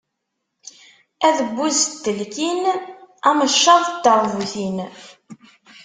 Adebbuz n telkin, ameccaḥ n teṛbutin.